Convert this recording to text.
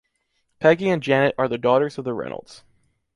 Peggy and Janet are the daughters of the Reynolds.